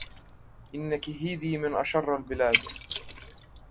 إن كيهيدى من أشر البلاد